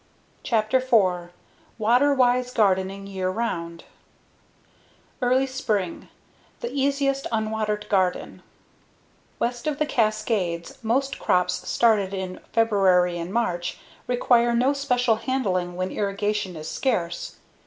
Chapter 4 Water Wise Gardening Year Round Early Spring: The Easiest Unwatered Garden West of the Cascades, most crops started in February and March require no special handling when irrigation is scarce.